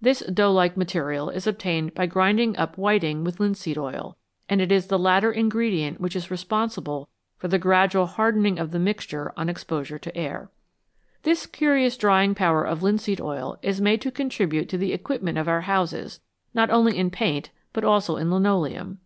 This dough like material is obtained by grinding up whiting with linseed oil, and it is the latter ingredient which is responsible for the gradual hardening of the mixture on exposure to air. This curious drying power of linseed oil is made to contribute to the equipment of our houses, not only in paint, but also in linoleum.